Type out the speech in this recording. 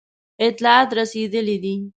اطلاعات رسېدلي دي.